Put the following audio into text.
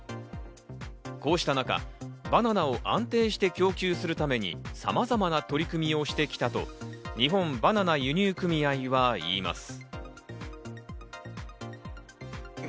こうした中、バナナを安定して供給するためにさまざまな取り組みをしてきたと日本バナナ輸入組合は言います。